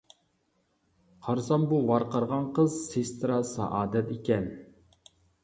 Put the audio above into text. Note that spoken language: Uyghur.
— قارىسام بۇ ۋارقىرىغان قىز سېسترا سائادەت ئىكەن.